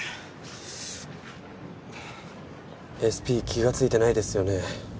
ＳＰ気がついてないですよね？